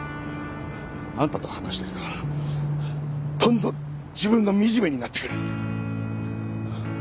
あんたと話してたらどんどん自分が惨めになってくる。